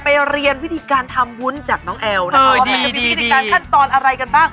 เรียนวิธีการทำวุ้นจากน้องแอลนะคะว่ามันจะมีวิธีการขั้นตอนอะไรกันบ้าง